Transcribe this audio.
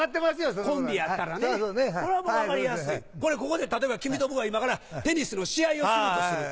ここで例えば君と僕が今からテニスの試合をするとする。